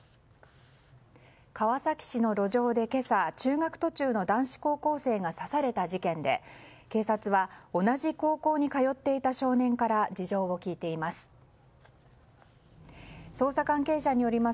川崎市の路上で今朝通学途中の男子高校生が刺された事件で、警察は同じ高校に通っていた少年から事情を聴いています。